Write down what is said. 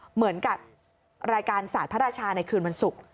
เหมือนกับรายการศาสตร์พระราชาในคืนวันศุกร์